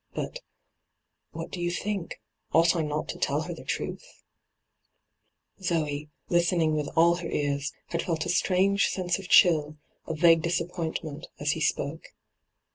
But — what do you think ? Ought I not to tell her the truth ?' Zoe, listening with all her ears, had felt a strange sense of chill, of vague disappoint ment, as he spoke.